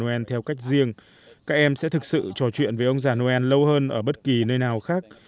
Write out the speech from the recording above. chúng tôi sẽ làm theo cách riêng các em sẽ thực sự trò chuyện với ông già noel lâu hơn ở bất kỳ nơi nào khác